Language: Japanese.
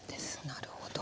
なるほど。